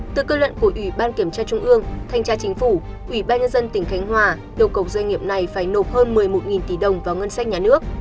từ cơ luận của ủy ban kiểm tra trung ương thanh tra chính phủ ủy ban nhân dân tỉnh khánh hòa yêu cầu doanh nghiệp này phải nộp hơn một mươi một tỷ đồng vào ngân sách nhà nước